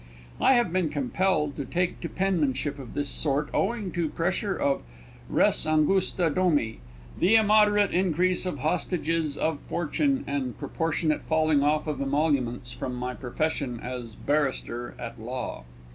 I have been compelled to take to penmanship of this sort owing to pressure of res angusta domi, the immoderate increase of hostages to fortune, and proportionate falling off of emoluments from my profession as Barrister at Law.